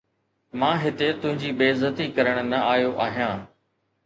مان هتي تنهنجي بي عزتي ڪرڻ نه آيو آهيان